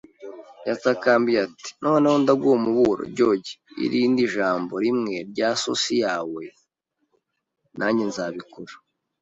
Yatakambiye ati: “Noneho ndaguha umuburo, George. “Irindi jambo rimwe rya sosi yawe, nanjye nzabikora